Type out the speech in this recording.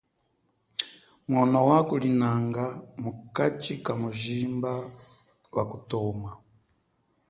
Mwono wakulinanga mukachi kamujimba wa kutoma.